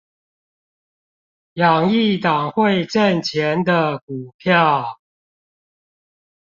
養一檔會掙錢的股票